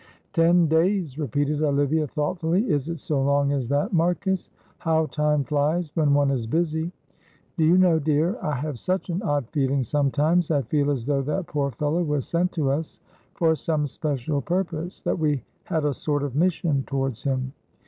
"Ten days," repeated Olivia, thoughtfully; "is it so long as that, Marcus? How time flies when one is busy! Do you know, dear, I have such an odd feeling sometimes. I feel as though that poor fellow was sent to us for some special purpose, that we had a sort of mission towards him.